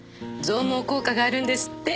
増毛効果があるんですって。